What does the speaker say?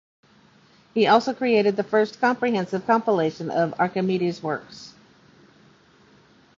He also created the first comprehensive compilation of Archimedes' works.